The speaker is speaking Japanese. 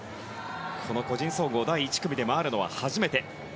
この個人総合第１組で回るのは初めて。